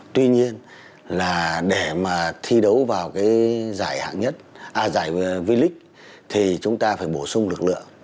tuy nhiên là để mà thi đấu vào cái giải hạng nhất a giải v league thì chúng ta phải bổ sung lực lượng